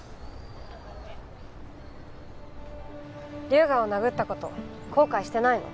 龍河を殴った事後悔してないの？